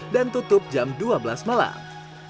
dan tutup jam dua belas malam